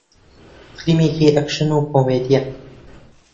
فیلمێکی ئەکشن و کۆمێدییە